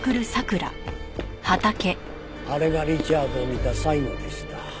あれがリチャードを見た最後でした。